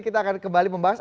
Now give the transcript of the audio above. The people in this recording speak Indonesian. kita akan kembali membahas